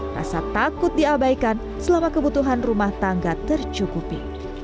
rasa takut diabaikan selama kebutuhan rumah tangga tercukupi